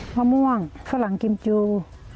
มะม่วงฝรั่งกิมจู